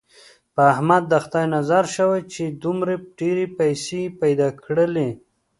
په احمد د خدای نظر شوی، چې دومره ډېرې پیسې یې پیدا کړلې.